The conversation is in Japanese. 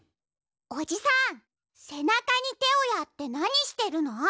おじさんせなかにてをやってなにしてるの？